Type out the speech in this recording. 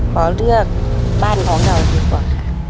ขอเลือกบ้านของเราดีกว่าค่ะ